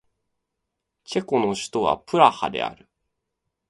チェコの首都はプラハである